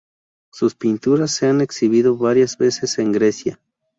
Sus pinturas se han exhibido varias veces en Grecia.